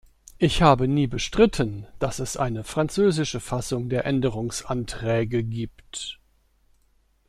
Ich habe nie bestritten, dass es eine französische Fassung der Änderungsanträge gibt.